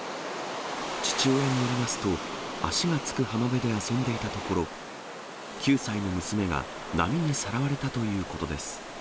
父親によりますと、足がつく浜辺で遊んでいたところ、９歳の娘が波にさらわれたということです。